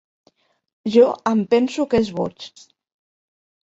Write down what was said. Jo em penso que és boig.